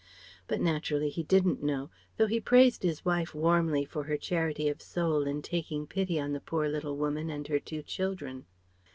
But naturally he didn't know, though he praised his wife warmly for her charity of soul in taking pity on the poor little woman and her two children.